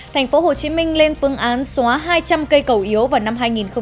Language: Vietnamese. thành phố hồ chí minh lên phương án xóa hai trăm linh cây cầu yếu vào năm hai nghìn hai mươi